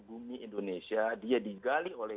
bumi indonesia dia digali oleh